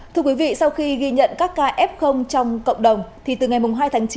thưa quý vị sau khi ghi nhận các ca f trong cộng đồng thì từ ngày hai tháng chín